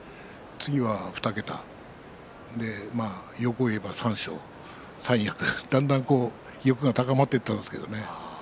次は２桁、欲をいえば三賞三役だんだん欲が高まっていったんですけれどね。